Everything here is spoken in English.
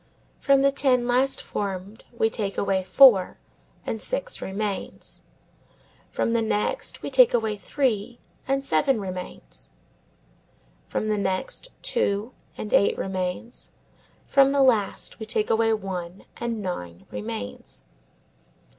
From the ten last formed we take away four and six remains; from the next we take away three and seven remains; from the next, two and eight remains; from the last, we take away one and nine remains.